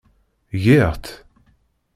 Giɣ-tt.